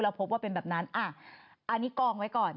พบว่าเป็นแบบนั้นอันนี้กองไว้ก่อน